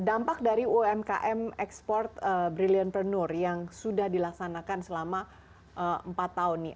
dampak dari umkm ekspor brilliantpreneur yang sudah dilaksanakan selama empat tahun nih